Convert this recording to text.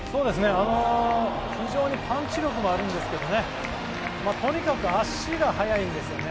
非常にパンチ力もあるんですけどね、とにかく足が速いんですよね